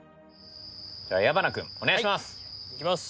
じゃあ矢花君お願いします！